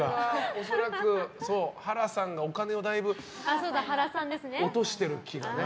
恐らく、ハラさんがお金をだいぶ落としてる気がね。